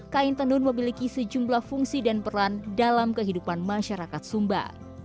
kain tenun memiliki sejumlah fungsi dan peran dalam kehidupan masyarakat sumba